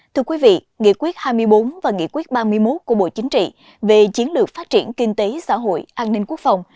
thưa quý vị nghị quyết hai mươi bốn và nghị quyết ba mươi một của bộ chính trị về chiến lược phát triển kinh tế xã hội an ninh quốc phòng